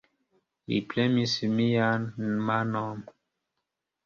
Li premis mian manon.